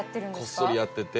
こっそりやってて。